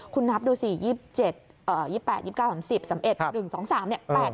คุณนับดูสิ๒๗๒๘๒๙๓๐๓๑๑๒๓เนี่ย๘วันแล้ว